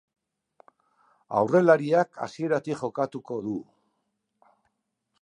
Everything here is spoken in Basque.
Aurrelariak hasieratik jokatuko du.